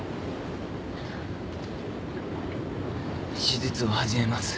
手術を始めます。